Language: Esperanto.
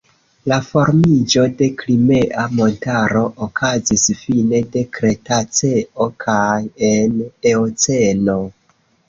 La formiĝo de Krimea montaro okazis fine de kretaceo kaj en eoceno.